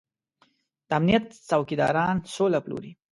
د امنيت څوکيداران سوله پلوري.